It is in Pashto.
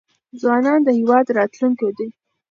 ځوانان د هیواد راتلونکی دی.